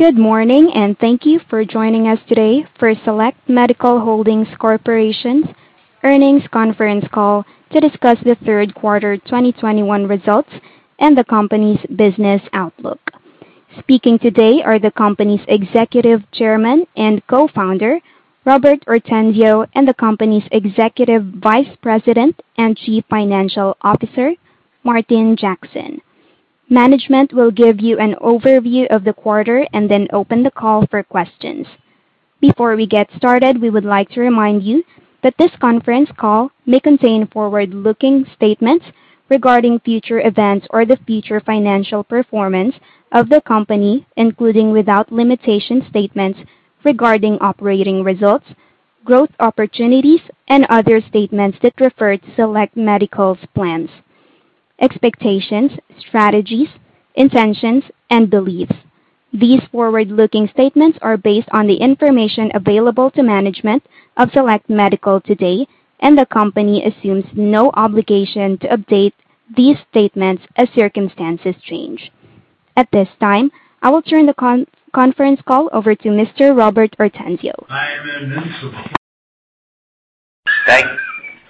Good morning, and thank you for joining us today for Select Medical Holdings Corporation's earnings conference call to discuss the Q3 2021 results and the company's business outlook. Speaking today are the company's Executive Chairman and Co-Founder, Robert Ortenzio, and the company's Executive Vice President and Chief Financial Officer, Martin Jackson. Management will give you an overview of the quarter and then open the call for questions. Before we get started, we would like to remind you that this conference call may contain forward-looking statements regarding future events or the future financial performance of the company, including, without limitation, statements regarding operating results, growth opportunities, and other statements that refer to Select Medical's plans, expectations, strategies, intentions, and beliefs. These forward-looking statements are based on the information available to management of Select Medical to date, and the company assumes no obligation to update these statements as circumstances change. At this time, I will turn the conference call over to Mr. Robert Ortenzio.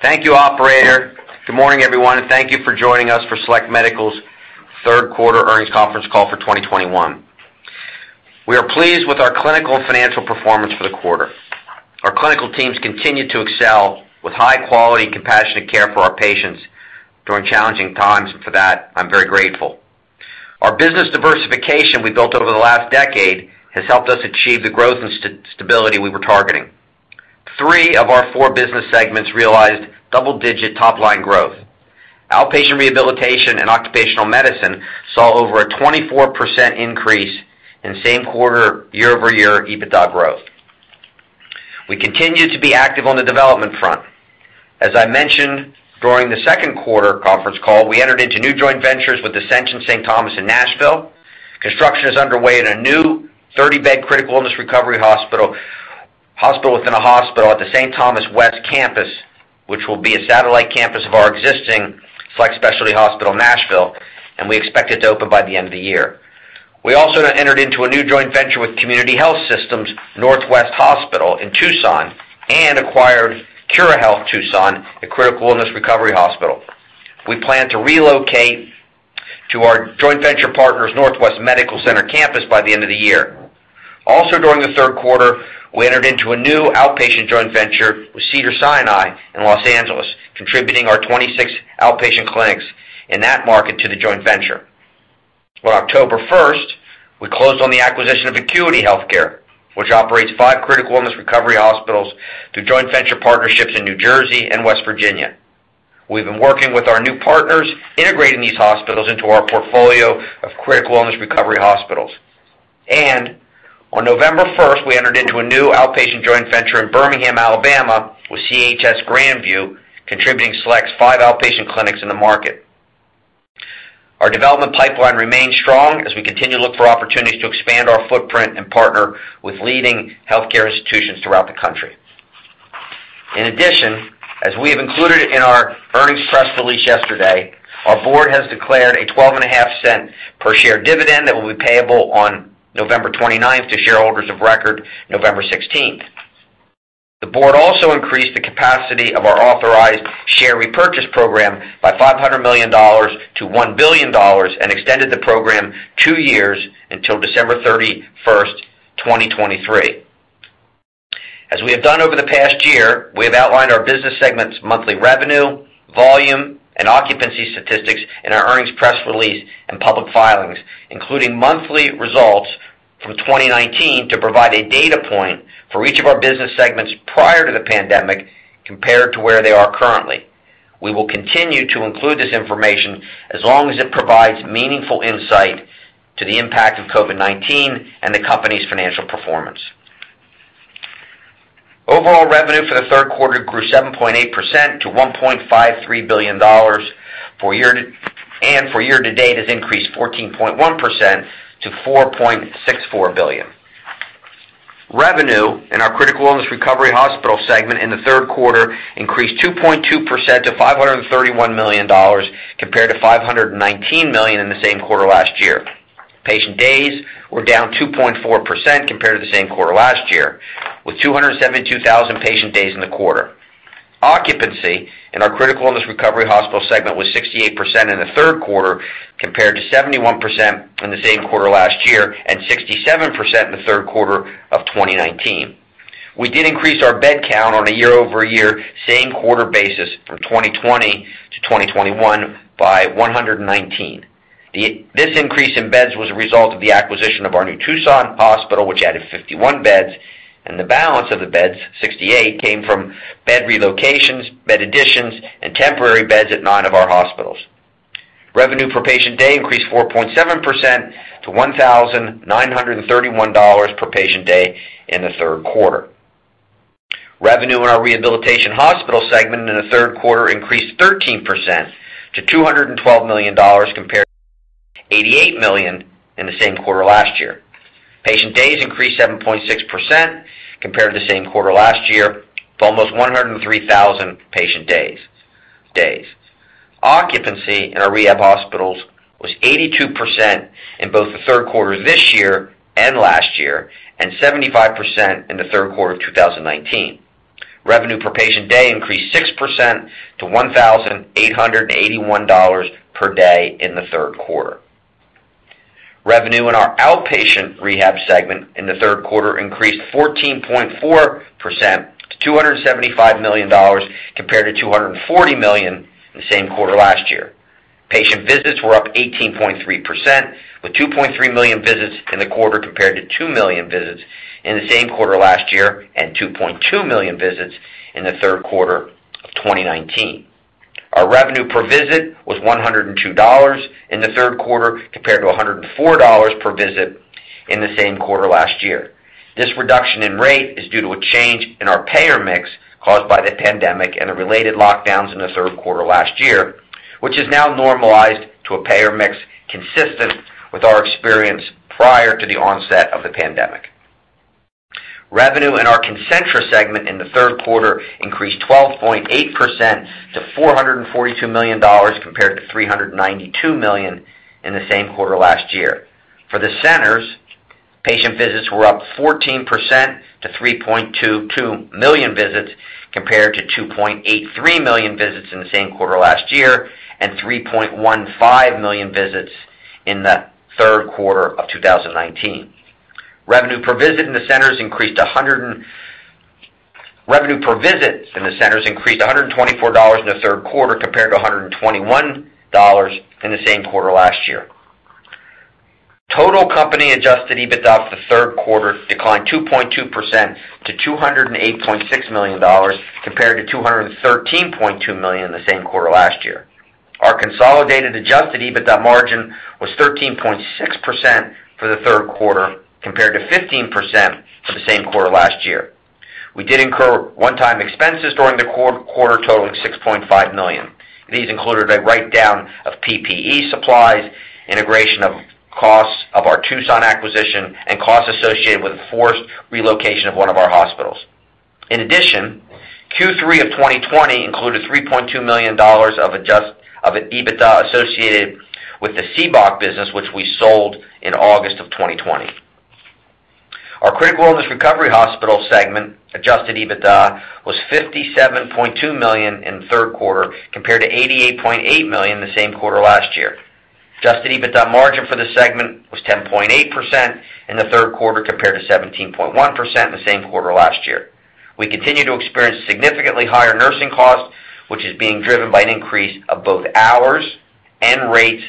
Thank you, operator. Good morning, everyone, and thank you for joining us for Select Medical's Q3 earnings conference call for 2021. We are pleased with our clinical financial performance for the quarter. Our clinical teams continue to excel with high-quality, compassionate care for our patients during challenging times. For that, I'm very grateful. Our business diversification we built over the last decade has helped us achieve the growth and stability we were targeting. Three of our four business segments realized double-digit top-line growth. Outpatient rehabilitation and occupational medicine saw over a 24% increase in same-quarter year-over-year EBITDA growth. We continue to be active on the development front. As I mentioned during the Q2 conference call, we entered into new joint ventures with Ascension Saint Thomas in Nashville. Construction is underway at a new 30-bed critical illness recovery hospital within a hospital at the Ascension Saint Thomas West Campus, which will be a satellite campus of our existing Select Specialty Hospital Nashville, and we expect it to open by the end of the year. We also entered into a new joint venture with Community Health Systems' Northwest Healthcare in Tucson and acquired Curahealth Tucson, a critical illness recovery hospital. We plan to relocate to our joint venture partners, Northwest Medical Center Campus, by the end of the year. Also, during the Q3, we entered into a new outpatient joint venture with Cedars-Sinai in Los Angeles, contributing our 26 outpatient clinics in that market to the joint venture. On October 1, we closed on the acquisition of Acuity Healthcare, which operates five critical illness recovery hospitals through joint venture partnerships in New Jersey and West Virginia. We've been working with our new partners, integrating these hospitals into our portfolio of critical illness recovery hospitals. On November 1, we entered into a new outpatient joint venture in Birmingham, Alabama, with Grandview Medical Center, contributing Select's five outpatient clinics in the market. Our development pipeline remains strong as we continue to look for opportunities to expand our footprint and partner with leading healthcare institutions throughout the country. In addition, as we have included in our earnings press release yesterday, our board has declared a 12.5-cent per share dividend that will be payable on November 29 to shareholders of record November 16. The board also increased the capacity of our authorized share repurchase program by $500 million to $1 billion and extended the program 2 years until December 31, 2023. As we have done over the past year, we have outlined our business segment's monthly revenue, volume, and occupancy statistics in our earnings press release and public filings, including monthly results from 2019 to provide a data point for each of our business segments prior to the pandemic compared to where they are currently. We will continue to include this information as long as it provides meaningful insight to the impact of COVID-19 and the company's financial performance. Overall revenue for the Q3 grew 7.8% to $1.53 billion, and year to date has increased 14.1% to $4.64 billion. Revenue in our critical illness recovery hospital segment in the Q3 increased 2.2% to $531 million compared to $519 million in the same quarter last year. Patient days were down 2.4% compared to the same quarter last year, with 272,000 patient days in the quarter. Occupancy in our critical illness recovery hospital segment was 68% in the Q3 compared to 71% in the same quarter last year and 67% in the Q3 of 2019. We did increase our bed count on a year-over-year same quarter basis from 2020 to 2021 by 119. This increase in beds was a result of the acquisition of our new Tucson hospital, which added 51 beds, and the balance of the beds, 68, came from bed relocations, bed additions, and temporary beds at 9 of our hospitals. Revenue per patient day increased 4.7% to $1,931 per patient day in the Q3. Revenue in our rehabilitation hospital segment in the Q3 increased 13% to $212 million compared to $88 million in the same quarter last year. Patient days increased 7.6% compared to the same quarter last year to almost 103,000 patient days. Occupancy in our rehab hospitals was 82% in both the Q3 this year and last year, and 75% in the Q3 of 2019. Revenue per patient day increased 6% to $1,881 per day in the Q3. Revenue in our outpatient rehab segment in the Q3 increased 14.4% to $275 million compared to $240 million in the same quarter last year. Patient visits were up 18.3%, with 2.3 million visits in the quarter compared to 2 million visits in the same quarter last year and 2.2 million visits in the Q3 of 2019. Our revenue per visit was $102 in the Q3 compared to $104 per visit in the same quarter last year. This reduction in rate is due to a change in our payer mix caused by the pandemic and the related lockdowns in the Q3 last year, which is now normalized to a payer mix consistent with our experience prior to the onset of the pandemic. Revenue in our Concentra segment in the Q3 increased 12.8% to $442 million compared to $392 million in the same quarter last year. For the centers, patient visits were up 14% to 3.22 million visits compared to 2.83 million visits in the same quarter last year and 3.15 million visits in the Q3 of 2019. Revenue per visit in the centers increased $124 in the Q3 compared to $121 in the same quarter last year. Total company adjusted EBITDA for the Q3 declined 2.2% to $208.6 million compared to $213.2 million in the same quarter last year. Our consolidated adjusted EBITDA margin was 13.6% for the Q3 compared to 15% for the same quarter last year. We did incur one-time expenses during the quarter totaling $6.5 million. These included a write-down of PPE supplies, integration of costs of our Tucson acquisition, and costs associated with the forced relocation of one of our hospitals. In addition, Q3 of 2020 included $3.2 million of EBITDA associated with the CBOC business, which we sold in August of 2020. Our critical illness recovery hospital segment adjusted EBITDA was $57.2 million in the Q3 compared to $88.8 million in the same quarter last year. Adjusted EBITDA margin for the segment was 10.8% in the Q3 compared to 17.1% in the same quarter last year. We continue to experience significantly higher nursing costs, which is being driven by an increase of both hours and rates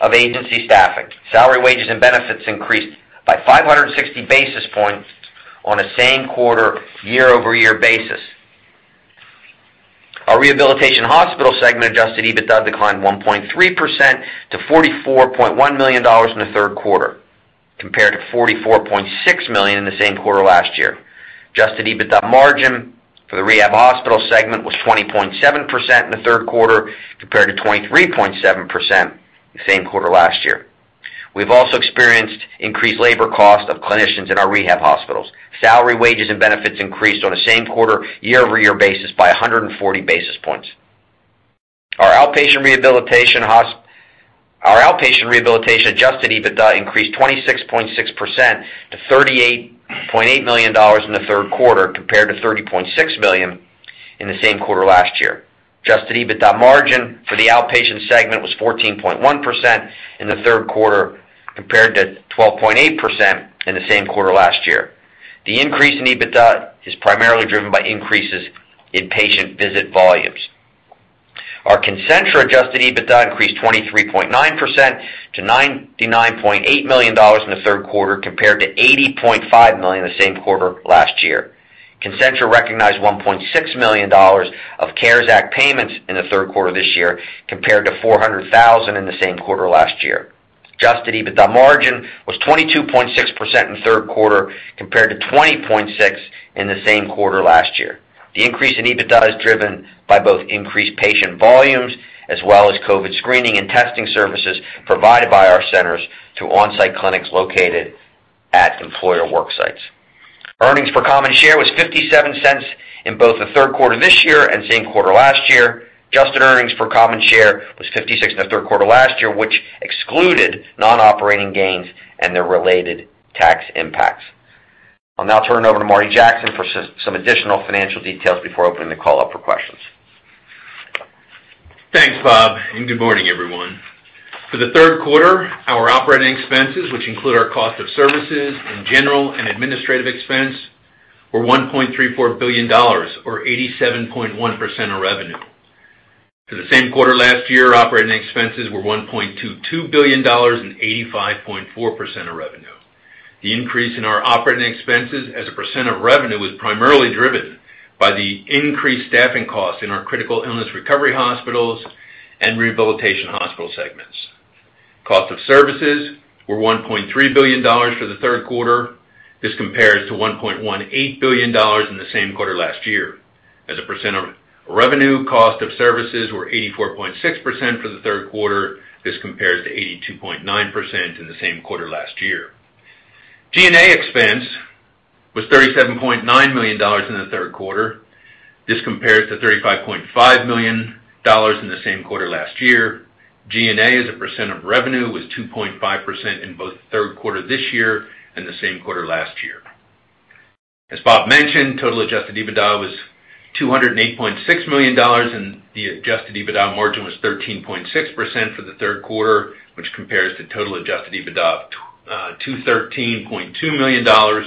of agency staffing. Salary, wages and benefits increased by 560 basis points on a same-quarter year-over-year basis. Our rehabilitation hospital segment adjusted EBITDA declined 1.3% to $44.1 million in the Q3 compared to $44.6 million in the same quarter last year. Adjusted EBITDA margin for the rehab hospital segment was 20.7% in the Q3 compared to 23.7% the same quarter last year. We've also experienced increased labor costs of clinicians in our rehab hospitals. Salary, wages and benefits increased on a same-quarter year-over-year basis by 140 basis points. Our outpatient rehabilitation adjusted EBITDA increased 26.6% to $38.8 million in the Q3 compared to $30.6 million in the same quarter last year. Adjusted EBITDA margin for the outpatient segment was 14.1% in the Q3 compared to 12.8% in the same quarter last year. The increase in EBITDA is primarily driven by increases in patient visit volumes. Our Concentra adjusted EBITDA increased 23.9% to $99.8 million in the Q3 compared to $80.5 million the same quarter last year. Concentra recognized $1.6 million of CARES Act payments in the Q3 this year compared to $400,000 in the same quarter last year. Adjusted EBITDA margin was 22.6% in the Q3 compared to 20.6% in the same quarter last year. The increase in EBITDA is driven by both increased patient volumes as well as COVID screening and testing services provided by our centers through on-site clinics located at employer work sites. Earnings per common share was $0.57 in both the Q3 this year and same quarter last year. Adjusted earnings per common share was $0.56 in the Q3 last year, which excluded non-operating gains and their related tax impacts. I'll now turn it over to Martin Jackson for some additional financial details before opening the call up for questions. Thanks, Robert, and good morning, everyone. For the Q3, our operating expenses, which include our cost of services and general and administrative expense, were $1.34 billion or 87.1% of revenue. For the same quarter last year, operating expenses were $1.22 billion and 85.4% of revenue. The increase in our operating expenses as a percent of revenue was primarily driven by the increased staffing costs in our critical illness recovery hospitals and rehabilitation hospital segments. Cost of services were $1.3 billion for the Q3. This compares to $1.18 billion in the same quarter last year. As a percent of revenue, cost of services were 84.6% for the Q3. This compares to 82.9% in the same quarter last year. G&A expense was $37.9 million in the Q3. This compares to $35.5 million in the same quarter last year. G&A as a percent of revenue was 2.5% in both Q3 this year and the same quarter last year. As Robert mentioned, total adjusted EBITDA was $208.6 million, and the adjusted EBITDA margin was 13.6% for the Q3, which compares to total adjusted EBITDA, 213.2 million dollars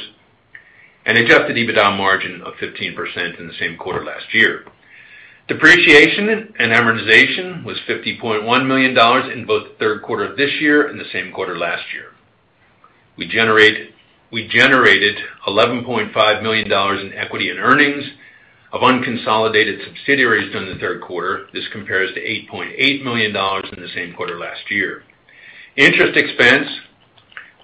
and adjusted EBITDA margin of 15% in the same quarter last year. Depreciation and amortization was $50.1 million in both the Q3 of this year and the same quarter last year. We generated $11.5 million in equity and earnings of unconsolidated subsidiaries during the Q3. This compares to $8.8 million in the same quarter last year. Interest expense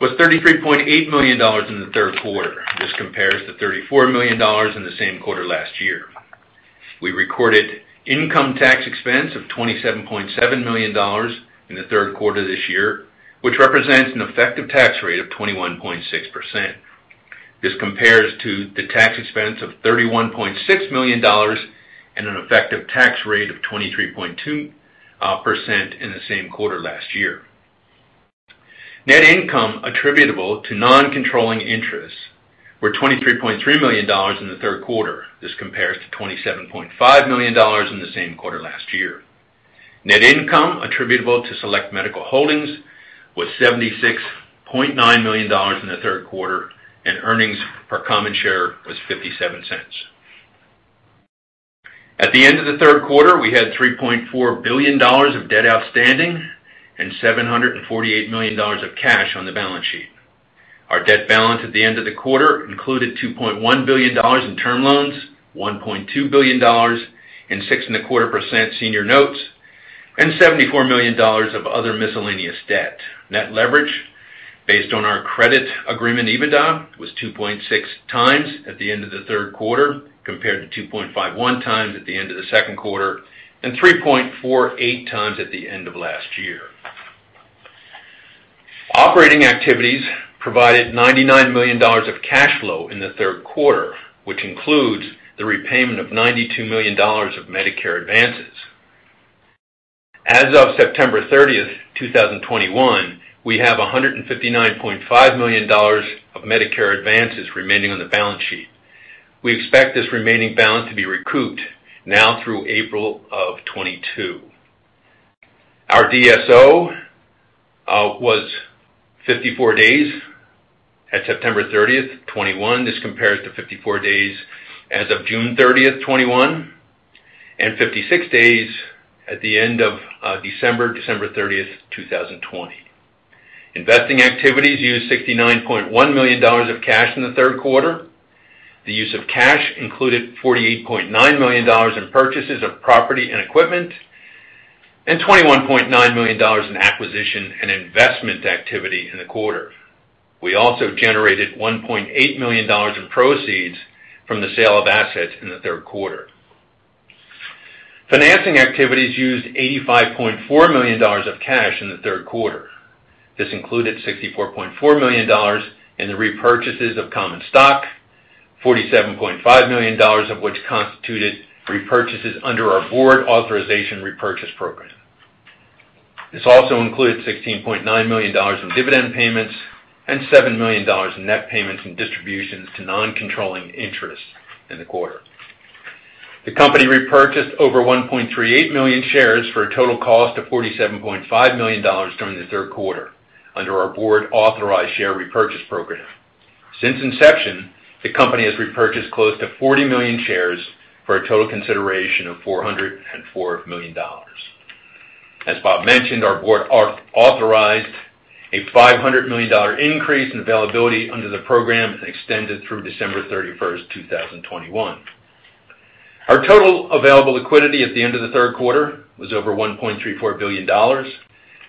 was $33.8 million in the Q3. This compares to $34 million in the same quarter last year. We recorded income tax expense of $27.7 million in the Q3 this year, which represents an effective tax rate of 21.6%. This compares to the tax expense of $31.6 million and an effective tax rate of 23.2% in the same quarter last year. Net income attributable to non-controlling interests were $23.3 million in the Q3. This compares to $27.5 million in the same quarter last year. Net income attributable to Select Medical Holdings was $76.9 million in the Q3, and earnings per common share was $0.57. At the end of the Q3, we had $3.4 billion of debt outstanding and $748 million of cash on the balance sheet. Our debt balance at the end of the quarter included $2.1 billion in term loans, $1.2 billion in 6.25% senior notes, and $74 million of other miscellaneous debt. Net leverage based on our credit agreement EBITDA was 2.6x at the end of the Q3 compared to 2.51x at the end of the Q2 and 3.48x at the end of last year. Operating activities provided $99 million of cash flow in the Q3, which includes the repayment of $92 million of Medicare advances. As of September 30, 2021, we have $159.5 million of Medicare advances remaining on the balance sheet. We expect this remaining balance to be recouped now through April of 2022. Our DSO was 54 days at September 30, 2021. This compares to 54 days as of June 30, 2021 and 56 days at the end of December 30, 2020. Investing activities used $69.1 million of cash in the Q3. The use of cash included $48.9 million in purchases of property and equipment and $21.9 million in acquisition and investment activity in the quarter. We also generated $1.8 million in proceeds from the sale of assets in the Q3. Financing activities used $85.4 million of cash in the Q3. This included $64.4 million in the repurchases of common stock, $47.5 million of which constituted repurchases under our board authorization repurchase program. This also includes $16.9 million in dividend payments and $7 million in net payments and distributions to non-controlling interests in the quarter. The company repurchased over 1.38 million shares for a total cost of $47.5 million during the Q3 under our board authorized share repurchase program. Since inception, the company has repurchased close to 40 million shares for a total consideration of $404 million. As Robert mentioned, our board authorized a $500 million increase in availability under the program and extended through December 31, 2021. Our total available liquidity at the end of the Q3 was over $1.34 billion.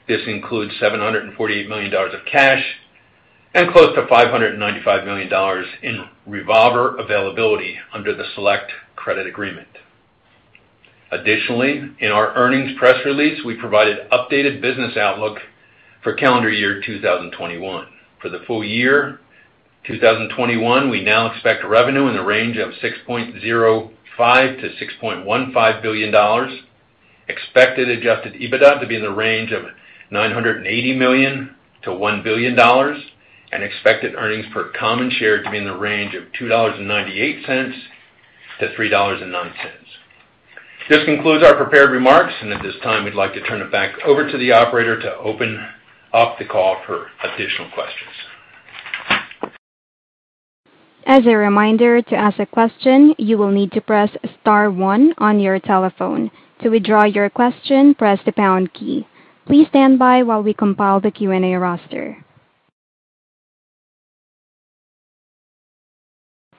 This includes $748 million of cash and close to $595 million in revolver availability under the Select credit agreement. Additionally, in our earnings press release, we provided updated business outlook for calendar year 2021. For the full year 2021, we now expect revenue in the range of $6.05 billion-$6.15 billion, expected adjusted EBITDA to be in the range of $980 million-$1 billion, and expected earnings per common share to be in the range of $2.98-$3.09. This concludes our prepared remarks. At this time, we'd like to turn it back over to the operator to open up the call for additional questions. As a reminder, to ask a question, you will need to press star one on your telephone. To withdraw your question, press the pound key. Please stand by while we compile the Q&A roster.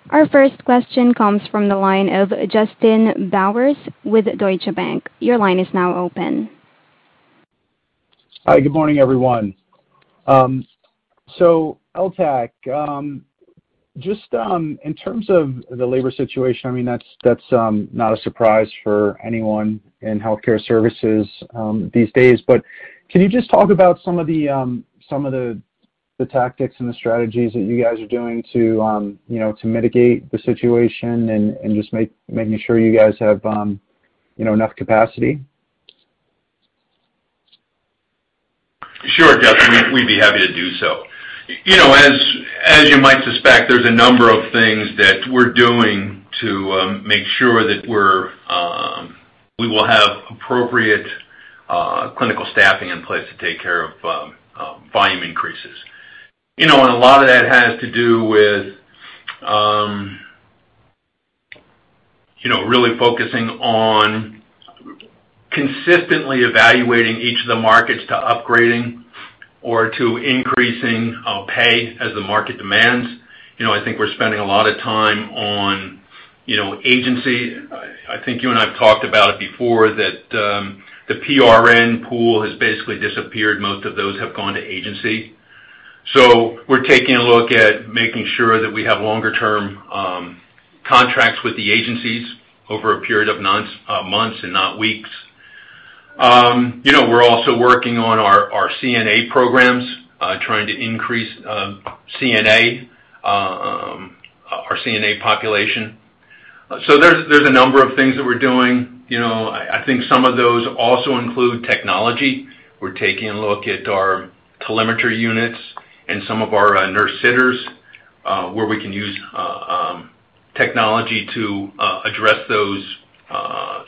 Our first question comes from the line of Justin Bowers with Deutsche Bank. Your line is now open. Hi. Good morning, everyone. LTAC, just in terms of the labor situation, I mean, that's not a surprise for anyone in healthcare services these days. Can you just talk about some of the tactics and the strategies that you guys are doing to you know, to mitigate the situation and just making sure you guys have you know, enough capacity? Sure, Justin, we'd be happy to do so. You know, as you might suspect, there's a number of things that we're doing to make sure that we will have appropriate clinical staffing in place to take care of volume increases. You know, a lot of that has to do with you know, really focusing on consistently evaluating each of the markets to upgrading or to increasing pay as the market demands. You know, I think we're spending a lot of time on you know, agency. I think you and I have talked about it before that the PRN pool has basically disappeared. Most of those have gone to agency. We're taking a look at making sure that we have longer-term contracts with the agencies over a period of months and not weeks. You know, we're also working on our CNA programs, trying to increase our CNA population. There's a number of things that we're doing. You know, I think some of those also include technology. We're taking a look at our telemetry units and some of our nurse sitters, where we can use technology to address those,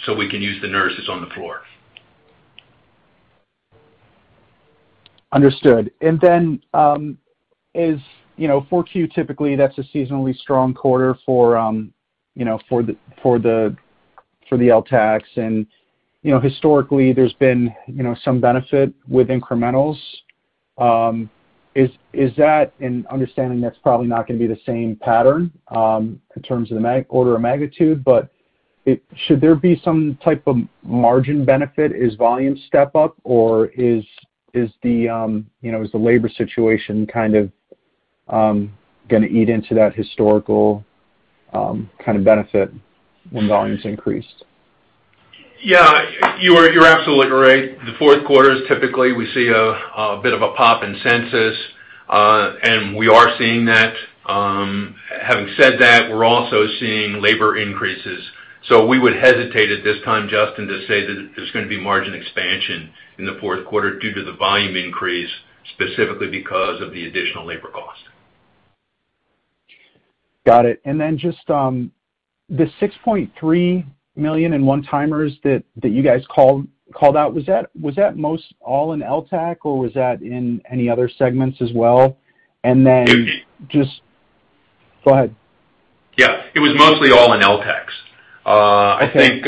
so we can use the nurses on the floor. Understood. As you know, Q4, typically, that's a seasonally strong quarter for the LTACs. You know, historically, there's been some benefit with incrementals. Is that, and understanding that's probably not going to be the same pattern, in terms of the order of magnitude, but should there be some type of margin benefit? Is volume step up or is the labor situation kind of going to eat into that historical kind of benefit when volume's increased? Yeah. You're absolutely right. The Q4 is typically we see a bit of a pop in census, and we are seeing that. Having said that, we're also seeing labor increases. We would hesitate at this time, Justin, to say that there's going to be margin expansion in the Q4 due to the volume increase, specifically because of the additional labor cost. Got it. Just the $6.3 million in one-timers that you guys called out, was that most all in LTAC, or was that in any other segments as well? It Go ahead. Yeah. It was mostly all in LTACs. Okay.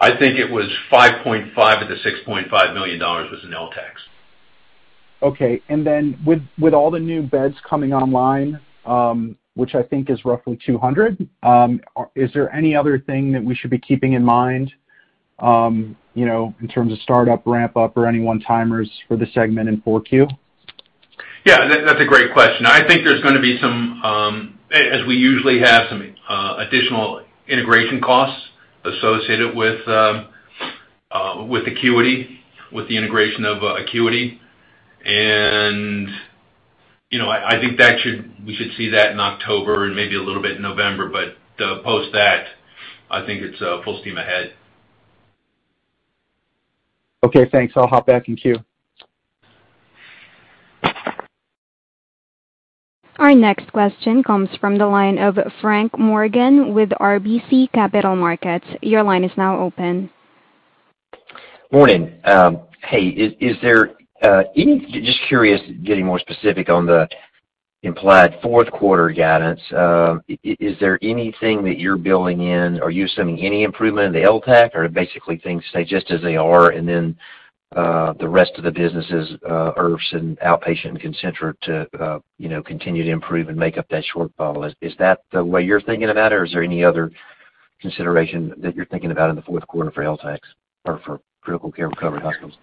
I think it was $5.5 million of the $6.5 million was in LTACs. Okay. Then with all the new beds coming online, which I think is roughly 200, is there any other thing that we should be keeping in mind, you know, in terms of startup, ramp up or any one-timers for the segment in Q4? Yeah, that's a great question. I think there's going to be some, as we usually have, some additional integration costs associated with Acuity, with the integration of Acuity. You know, I think we should see that in October and maybe a little bit in November, but post that, I think it's full steam ahead. Okay, thanks. I'll hop back in queue. Our next question comes from the line of Frank Morgan with RBC Capital Markets. Your line is now open. Morning. Hey, is there anything? Just curious, getting more specific on the implied Q4 guidance. Is there anything that you're building in? Are you assuming any improvement in the LTAC, or basically things stay just as they are and then the rest of the businesses, IRF and outpatient and Concentra to, you know, continue to improve and make up that shortfall? Is that the way you're thinking about it or is there any other consideration that you're thinking about in the Q4 for LTACs or for critical care recovery hospitals?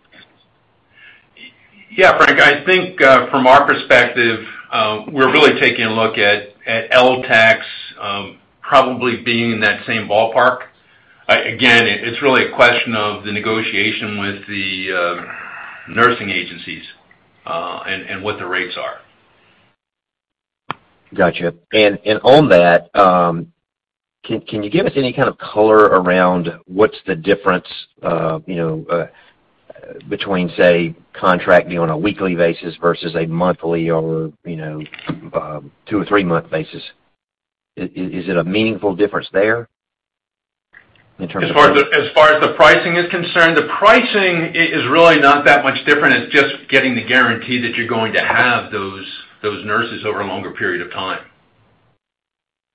Yeah, Frank. I think from our perspective, we're really taking a look at LTACs, probably being in that same ballpark. Again, it's really a question of the negotiation with the nursing agencies, and what the rates are. Gotcha. On that, can you give us any kind of color around what's the difference, you know, between, say, contracting on a weekly basis versus a monthly or, you know, two or three-month basis? Is it a meaningful difference there in terms of- As far as the pricing is concerned, the pricing is really not that much different. It's just getting the guarantee that you're going to have those nurses over a longer period of time.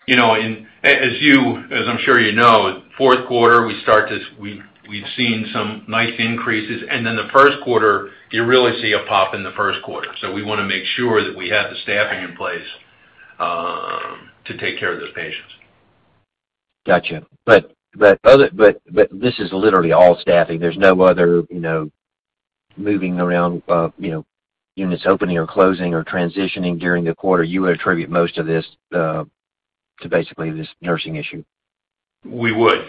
You know, as I'm sure you know, Q4, we've seen some nice increases, and then the Q1, you really see a pop in the Q1. We want to make sure that we have the staffing in place to take care of those patients. Gotcha. This is literally all staffing. There's no other, you know, moving around, you know, units opening or closing or transitioning during the quarter. You would attribute most of this to basically this nursing issue. We would.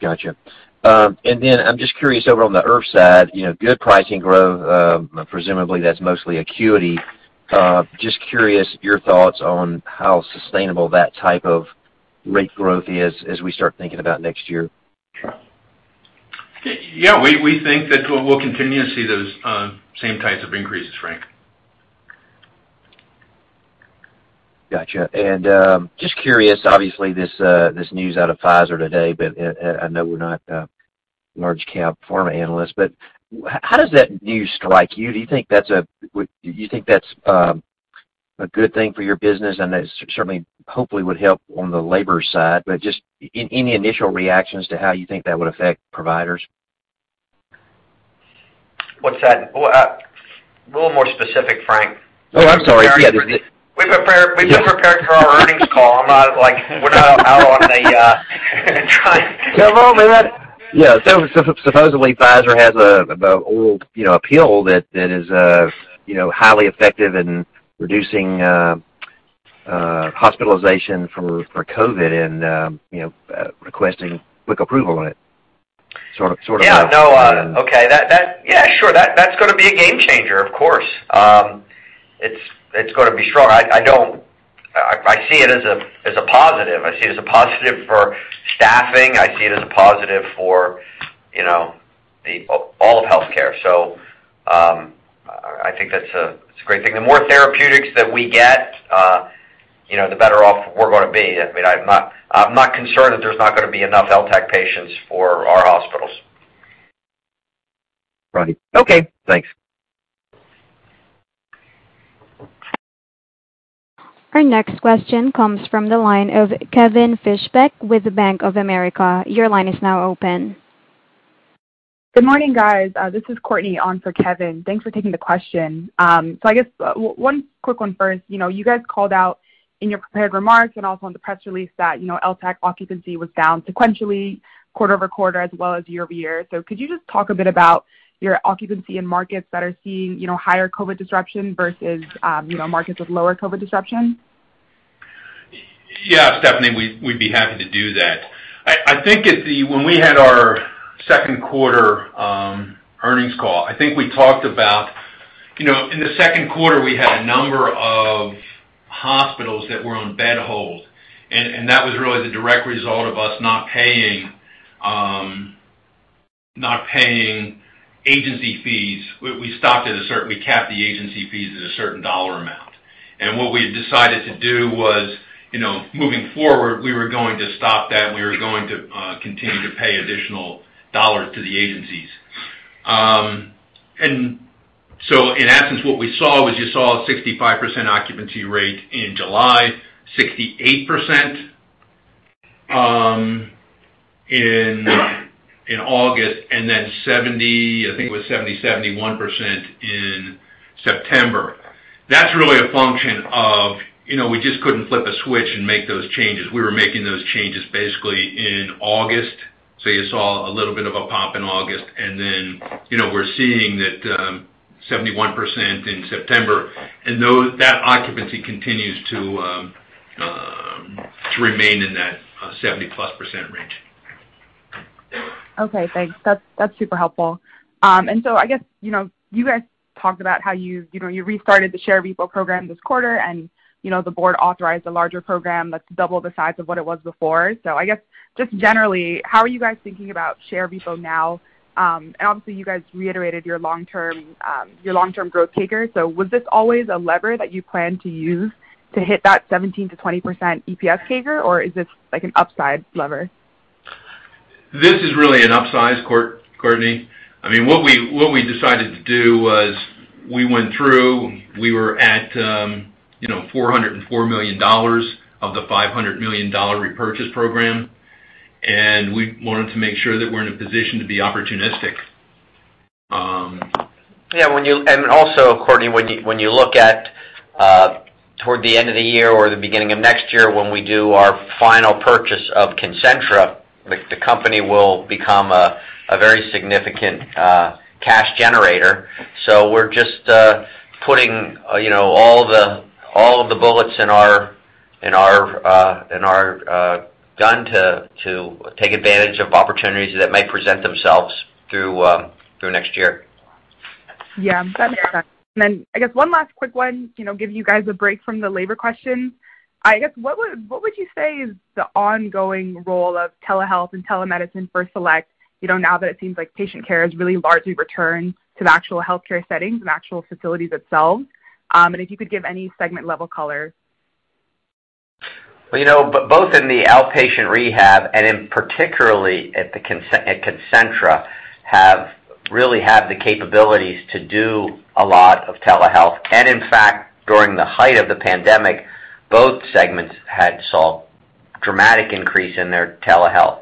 Got it. I'm just curious, over on the IRF side, you know, good pricing growth, presumably that's mostly acuity. Just curious your thoughts on how sustainable that type of rate growth is as we start thinking about next year. Yeah, we think that we'll continue to see those same types of increases, Frank. Got it. Just curious, obviously this news out of Pfizer today, but I know we're not a large cap pharma analyst, but how does that news strike you? Do you think that's a good thing for your business and that certainly, hopefully would help on the labor side, but just any initial reactions to how you think that would affect providers? What's that? Well, a little more specific, Frank. I'm sorry. Yeah. We've been preparing for our earnings call. I'm not, like, we're not out on a trying. No, go ahead. Yeah. Supposedly Pfizer has an oral, you know, pill that is, you know, highly effective in reducing hospitalization for COVID and, you know, requesting quick approval on it, sort of. Yeah. No. Okay. Yeah, sure. That's going to be a game changer, of course. It's going to be strong. I see it as a positive. I see it as a positive for staffing. I see it as a positive for, you know, all of healthcare. I think it's a great thing. The more therapeutics that we get, you know, the better off we're going to be. I mean, I'm not concerned that there's not going to be enough LTAC patients for our hospitals. Right. Okay. Thanks. Our next question comes from the line of Kevin Fischbeck with Bank of America. Your line is now open. Good morning, guys. This is Courtney on for Kevin. Thanks for taking the question. I guess one quick one first. You know, you guys called out in your prepared remarks and also on the press release that, you know, LTAC occupancy was down sequentially quarter-over-quarter as well as year-over-year. Could you just talk a bit about your occupancy in markets that are seeing, you know, higher COVID disruption versus, you know, markets with lower COVID disruption? Yeah, Courtney, we'd be happy to do that. I think when we had our Q2 earnings call, I think we talked about, you know, in the Q2, we had a number of hospitals that were on bed hold, and that was really the direct result of us not paying agency fees. We capped the agency fees at a certain dollar amount. What we decided to do was, you know, moving forward, we were going to stop that and we were going to continue to pay additional dollars to the agencies. In essence, what we saw was you saw a 65% occupancy rate in July, 68% in August, and then 70, I think it was 70, 71% in September. That's really a function of, you know, we just couldn't flip a switch and make those changes. We were making those changes basically in August. You saw a little bit of a pop in August. You know, we're seeing that 71% in September. That occupancy continues to remain in that 70+% range. Okay, thanks. That's super helpful. I guess, you know, you guys talked about how you know, you restarted the share repo program this quarter, and you know, the board authorized a larger program that's double the size of what it was before. I guess, just generally, how are you guys thinking about share repo now? Obviously you guys reiterated your long-term growth CAGR. Was this always a lever that you planned to use to hit that 17%-20% EPS CAGR, or is this like an upside lever? This is really an upsize, Courtney. I mean, what we decided to do was we went through, we were at, you know, $404 million of the $500 million repurchase program, and we wanted to make sure that we're in a position to be opportunistic. Also, Courtney, when you look toward the end of the year or the beginning of next year, when we do our final purchase of Concentra, the company will become a very significant cash generator. We're just putting you know all of the bullets in our gun to take advantage of opportunities that might present themselves through next year. Yeah. That makes sense. I guess one last quick one, you know, give you guys a break from the labor question. I guess, what would you say is the ongoing role of telehealth and telemedicine for Select, you know, now that it seems like patient care has really largely returned to the actual healthcare settings and actual facilities itself? If you could give any segment-level color. You know, both in the outpatient rehab and in particularly at Concentra, really have the capabilities to do a lot of telehealth. In fact, during the height of the pandemic, both segments had saw dramatic increase in their telehealth.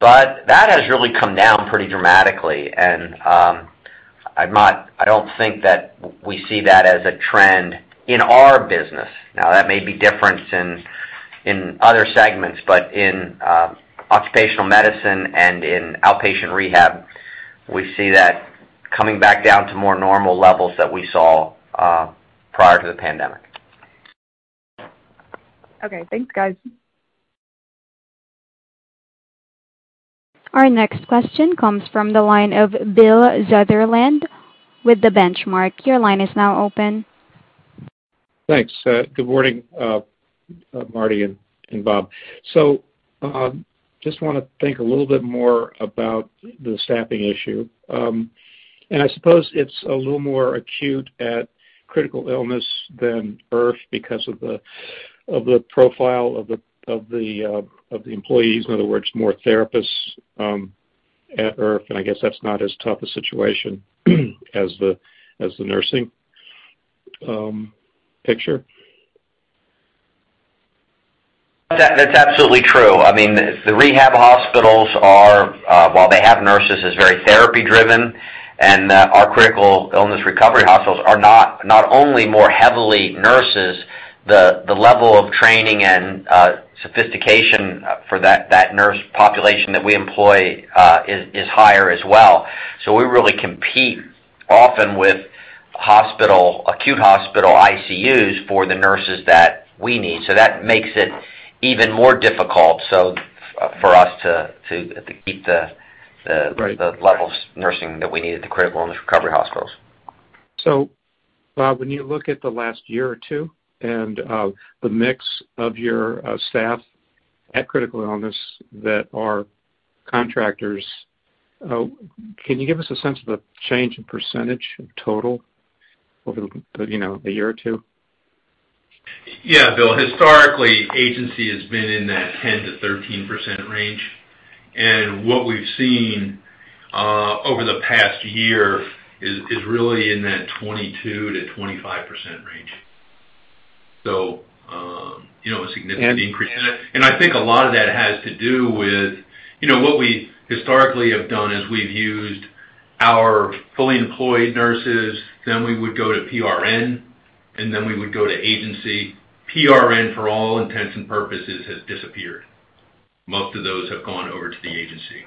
That has really come down pretty dramatically. I don't think that we see that as a trend in our business. Now, that may be different in other segments, but in occupational medicine and in outpatient rehab, we see that coming back down to more normal levels that we saw prior to the pandemic. Okay. Thanks, guys. Our next question comes from the line of Bill Sutherland with The Benchmark Company. Your line is now open. Thanks. Good morning, Marty and Bob. Just want to think a little bit more about the staffing issue. I suppose it's a little more acute at Critical Illness than IRF because of the profile of the employees. In other words, more therapists at IRF, and I guess that's not as tough a situation as the nursing picture. That's absolutely true. I mean, the rehab hospitals are, while they have nurses, very therapy driven, and our critical illness recovery hospitals are not only more heavily nurses, the level of training and sophistication for that nurse population that we employ is higher as well. We really compete often with acute hospital ICUs for the nurses that we need, so that makes it even more difficult for us to keep the Right. The levels of nursing that we need at the critical illness recovery hospitals. Bob, when you look at the last year or two and the mix of your staff at Critical Illness that are contractors, can you give us a sense of the change in percentage of total over the, you know, a year or two? Yeah, Bill. Historically, agency has been in that 10%-13% range. What we've seen over the past year is really in that 22%-25% range. You know, a significant increase. And- I think a lot of that has to do with, you know, what we historically have done is we've used our fully employed nurses, then we would go to PRN, and then we would go to agency. PRN, for all intents and purposes, has disappeared. Most of those have gone over to the agency.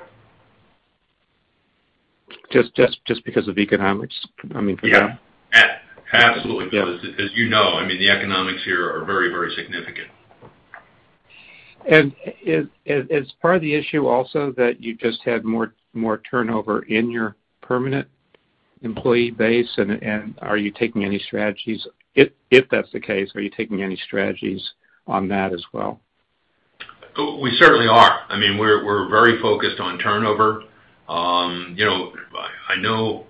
Just because of economics? I mean, for that. Yeah. Absolutely, Bill. As you know, I mean, the economics here are very, very significant. Is part of the issue also that you just had more turnover in your permanent employee base? Are you taking any strategies? If that's the case, are you taking any strategies on that as well? We certainly are. I mean, we're very focused on turnover. You know, I know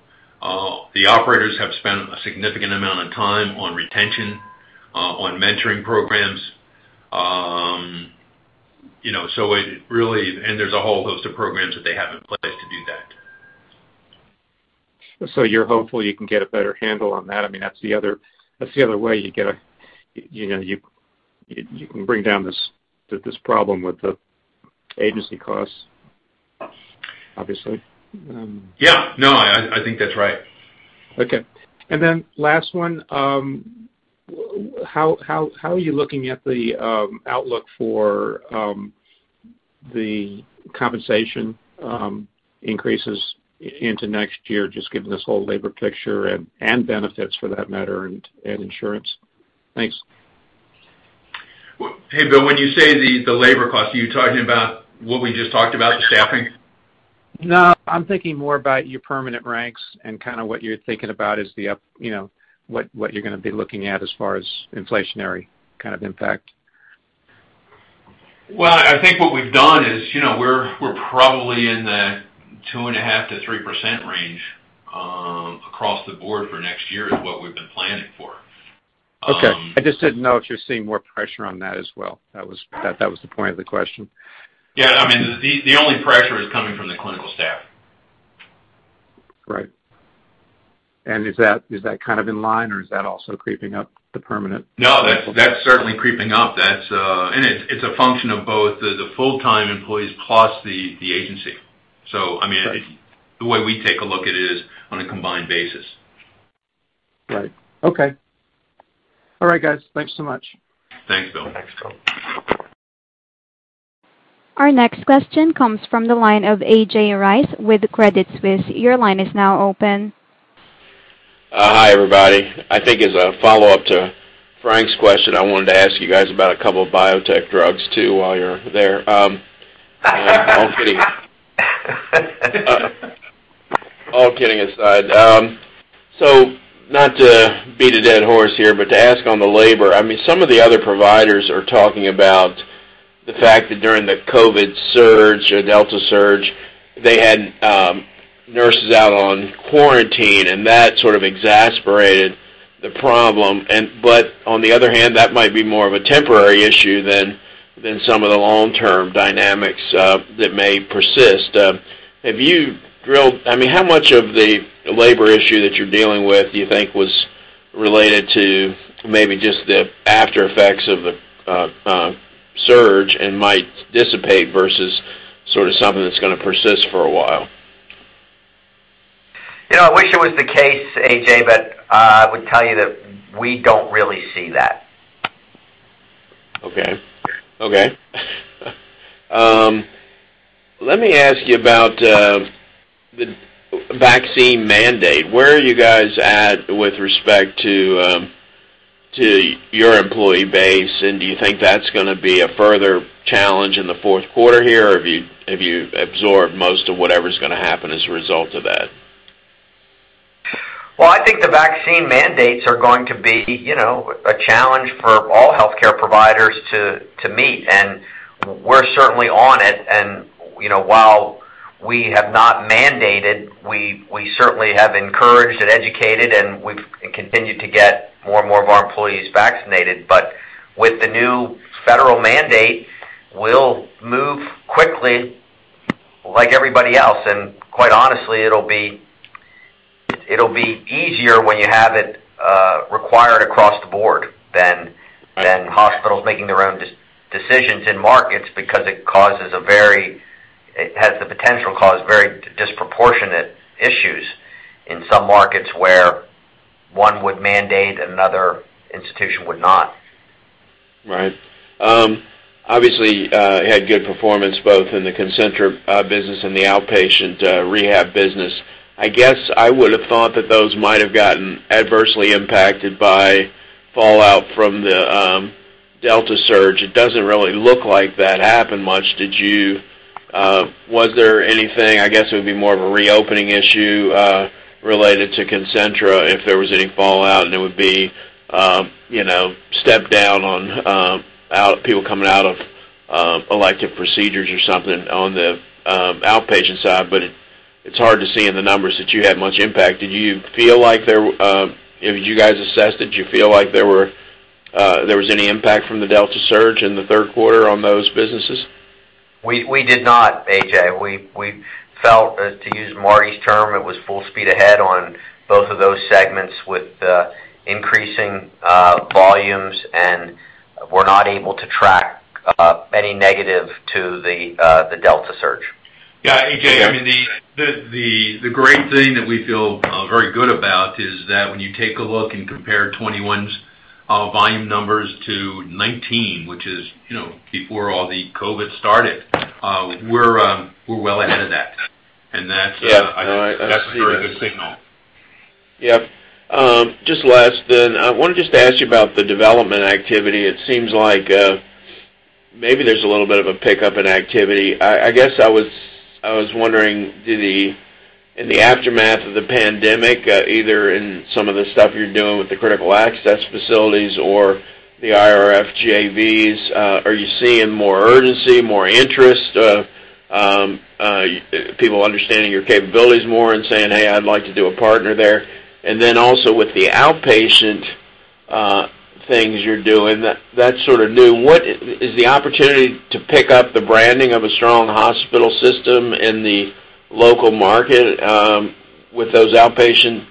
the operators have spent a significant amount of time on retention, on mentoring programs. There's a whole host of programs that they have in place to do that. You're hopeful you can get a better handle on that. I mean, that's the other way you get. You know, you can bring down this problem with the agency costs, obviously. Yeah. No, I think that's right. Okay. Last one, how are you looking at the outlook for the compensation increases into next year, just given this whole labor picture and benefits for that matter, and insurance? Thanks. Well, hey, Bill, when you say the labor cost, are you talking about what we just talked about, the staffing? No, I'm thinking more about your permanent ranks and kinda what you're thinking about as the upside, you know, what you're going to be looking at as far as inflationary kind of impact. Well, I think what we've done is, you know, we're probably in the 2.5%-3% range across the board for next year is what we've been planning for. Okay. I just didn't know if you're seeing more pressure on that as well. That was the point of the question. Yeah. I mean, the only pressure is coming from the clinical staff. Right. Is that kind of in line, or is that also creeping up the permanent? No, that's certainly creeping up. That's a function of both the full-time employees plus the agency. I mean Right. The way we take a look at it is on a combined basis. Right. Okay. All right, guys. Thanks so much. Thanks, Bill. Thanks, Bill. Our next question comes from the line of A.J. Rice with Credit Suisse. Your line is now open. Hi, everybody. I think as a follow-up to Frank's question, I wanted to ask you guys about a couple of biotech drugs, too, while you're there. All kidding aside, not to beat a dead horse here, but to ask on the labor. I mean, some of the other providers are talking about the fact that during the COVID surge or Delta surge, they had nurses out on quarantine, and that sort of exacerbated the problem. On the other hand, that might be more of a temporary issue than some of the long-term dynamics that may persist. I mean, how much of the labor issue that you're dealing with do you think was related to maybe just the after effects of the surge and might dissipate versus sort of something that's going to persist for a while? You know, I wish it was the case, A.J., but I would tell you that we don't really see that. Okay. Let me ask you about the vaccine mandate. Where are you guys at with respect to your employee base? Do you think that's going to be a further challenge in the Q4 here? Or have you absorbed most of whatever's going to happen as a result of that? Well, I think the vaccine mandates are going to be, you know, a challenge for all healthcare providers to meet, and we're certainly on it. You know, while we have not mandated, we certainly have encouraged and educated, and we've continued to get more and more of our employees vaccinated. With the new federal mandate, we'll move quickly like everybody else. Quite honestly, it'll be easier when you have it required across the board than hospitals making their own decisions in markets because it has the potential to cause very disproportionate issues in some markets where one would mandate and another institution would not. Right. Obviously, had good performance both in the Concentra business and the outpatient rehab business. I guess I would have thought that those might have gotten adversely impacted by fallout from the Delta surge. It doesn't really look like that happened much. Was there anything? I guess it would be more of a reopening issue related to Concentra if there was any fallout, and it would be, you know, step down on out people coming out of elective procedures or something on the outpatient side. But it's hard to see in the numbers that you had much impact. Did you feel like there, if you guys assessed it, did you feel like there was any impact from the Delta surge in the Q3 on those businesses? We did not, A.J. We felt to use Marty's term, it was full speed ahead on both of those segments with increasing volumes, and we're not able to track any negative to the Delta surge. Yeah, A.J., I mean, the great thing that we feel very good about is that when you take a look and compare 2021's volume numbers to 2019, which is, you know, before all the COVID started, we're well ahead of that. That's- Yeah. All right. That's a very good signal. Yep. Just lastly, then, I wanted just to ask you about the development activity. It seems like maybe there's a little bit of a pickup in activity. I guess I was wondering, in the aftermath of the pandemic, either in some of the stuff you're doing with the critical access facilities or the IRF JVs, are you seeing more urgency, more interest, people understanding your capabilities more and saying, "Hey, I'd like to partner there"? Then also with the outpatient things you're doing that's sort of new. What is the opportunity to pick up the branding of a strong hospital system in the local market with those outpatient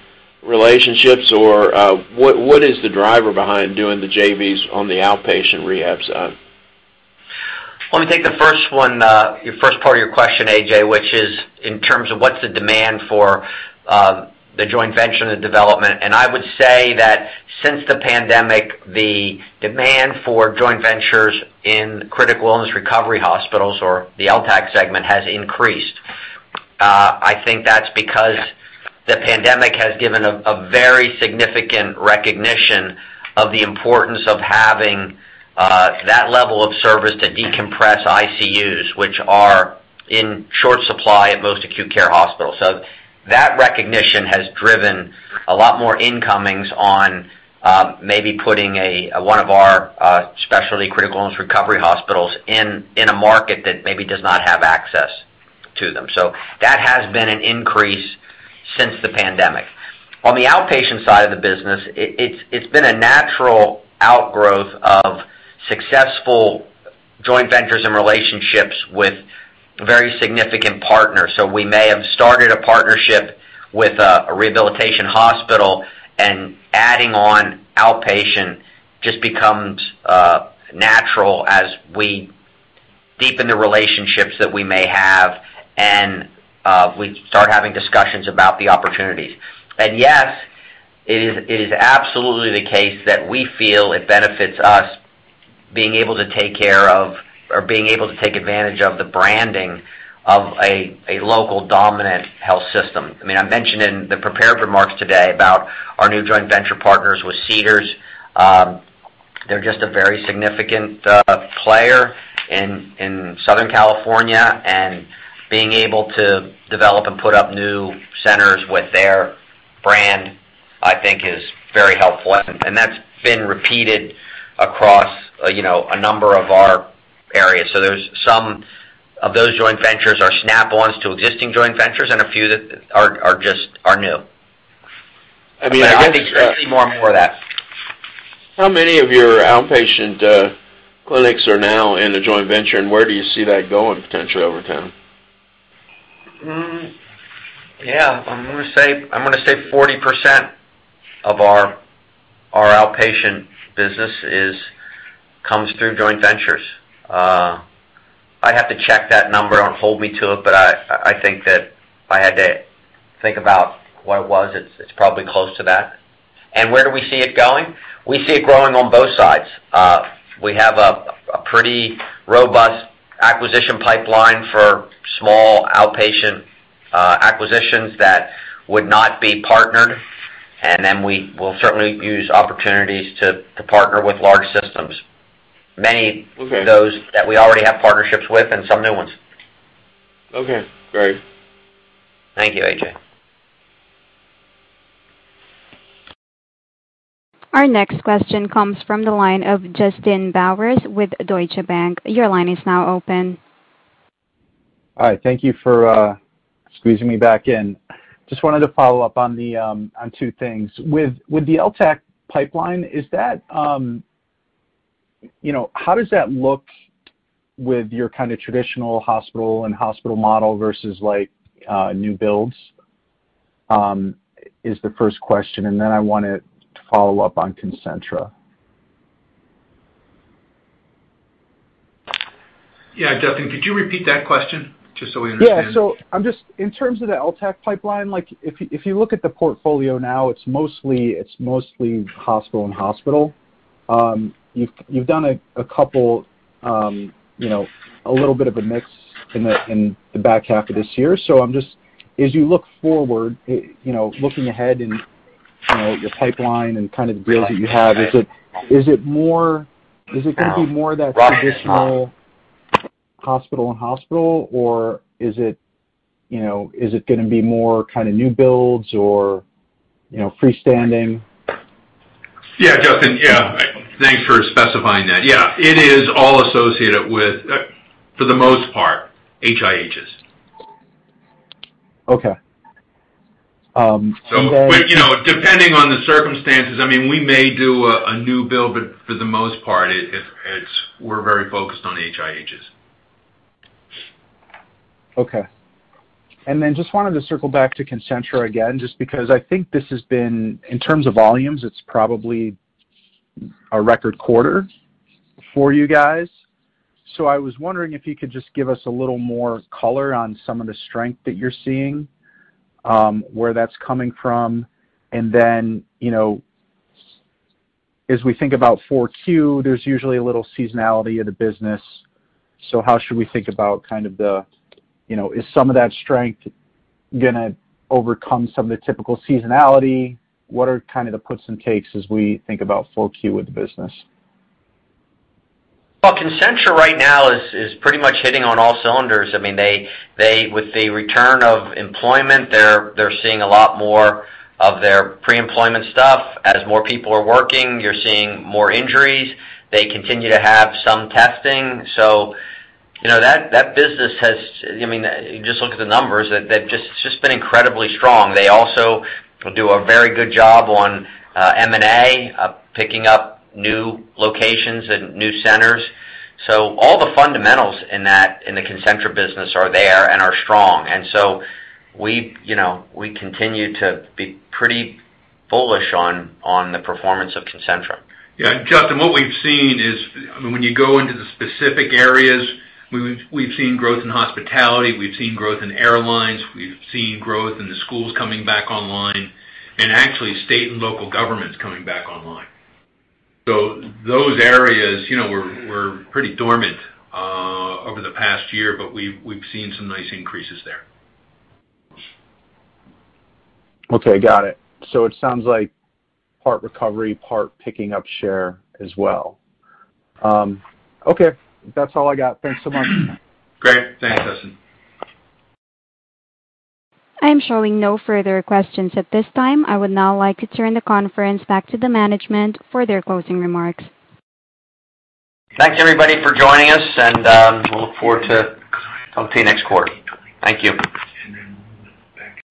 relationships? Or, what is the driver behind doing the JVs on the outpatient rehab side? Let me take the first one, your first part of your question, A.J., which is in terms of what's the demand for, the joint venture and the development. I would say that since the pandemic, the demand for joint ventures in critical illness recovery hospitals or the LTAC segment has increased. I think that's because the pandemic has given a very significant recognition of the importance of having, that level of service to decompress ICUs, which are in short supply at most acute care hospitals. That recognition has driven a lot more inquiries on, maybe putting one of our specialty critical illness recovery hospitals in a market that maybe does not have access to them. That has been an increase since the pandemic. On the outpatient side of the business, it's been a natural outgrowth of successful joint ventures and relationships with very significant partners. We may have started a partnership with a rehabilitation hospital, and adding on outpatient just becomes natural as we deepen the relationships that we may have, and we start having discussions about the opportunities. Yes, it is absolutely the case that we feel it benefits us being able to take care of or being able to take advantage of the branding of a local dominant health system. I mean, I mentioned in the prepared remarks today about our new joint venture partners with Cedars. They're just a very significant player in Southern California, and being able to develop and put up new centers with their brand, I think is very helpful. That's been repeated across, you know, a number of our areas. There's some of those joint ventures are snap-ons to existing joint ventures and a few that are just new. I mean, I guess. I think we're going to see more and more of that. How many of your outpatient clinics are now in a joint venture, and where do you see that going potentially over time? I'm going to say 40% of our outpatient business comes through joint ventures. I have to check that number. Don't hold me to it, but I think that if I had to think about what it was, it's probably close to that. Where do we see it going? We see it growing on both sides. We have a pretty robust acquisition pipeline for small outpatient acquisitions that would not be partnered, and then we will certainly use opportunities to partner with large systems. Many Okay. of those that we already have partnerships with and some new ones. Okay, great. Thank you, A.J. Our next question comes from the line of Justin Bowers with Deutsche Bank. Your line is now open. All right. Thank you for squeezing me back in. Just wanted to follow up on two things. With the LTAC pipeline, is that you know, how does that look with your kinda traditional hospital-in-hospital model versus like new builds is the first question, and then I wanted to follow up on Concentra. Yeah. Justin, could you repeat that question just so we understand? Yeah. I'm just in terms of the LTAC pipeline, like if you look at the portfolio now, it's mostly hospital and hospital. You've done a couple, you know, a little bit of a mix in the back half of this year. I'm just as you look forward, you know, looking ahead in your pipeline and kind of the deals that you have, is it more of that traditional hospital and hospital, or is it, you know, is it going to be more kinda new builds or, you know, freestanding? Yeah. Justin. Yeah. Thanks for specifying that. Yeah. It is all associated with, for the most part, HIHs. Okay. You know, depending on the circumstances, I mean, we may do a new build, but for the most part, we're very focused on HIHs. Okay. Just wanted to circle back to Concentra again, just because I think this has been, in terms of volumes, it's probably a record quarter for you guys. I was wondering if you could just give us a little more color on some of the strength that you're seeing, where that's coming from. You know, as we think about 4Q, there's usually a little seasonality of the business. How should we think about kind of the you know. Is some of that strength going to overcome some of the typical seasonality? What are kind of the puts and takes as we think about 4Q with the business? Well, Concentra right now is pretty much hitting on all cylinders. I mean, they with the return of employment, they're seeing a lot more of their pre-employment stuff. As more people are working, you're seeing more injuries. They continue to have some testing. You know, that business has, I mean, just look at the numbers. It's just been incredibly strong. They also do a very good job on M&A picking up new locations and new centers. All the fundamentals in the Concentra business are there and are strong. We, you know, we continue to be pretty bullish on the performance of Concentra. Yeah. Justin, what we've seen is when you go into the specific areas, we've seen growth in hospitality. We've seen growth in airlines. We've seen growth in the schools coming back online and actually state and local governments coming back online. Those areas, you know, were pretty dormant over the past year, but we've seen some nice increases there. Okay. Got it. It sounds like part recovery, part picking up share as well. Okay. That's all I got. Thanks so much. Great. Thanks, Justin. I am showing no further questions at this time. I would now like to turn the conference back to the management for their closing remarks. Thanks, everybody, for joining us, and we look forward to talking to you next quarter. Thank you.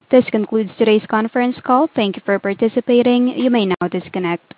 This concludes today's conference call. Thank you for participating. You may now disconnect.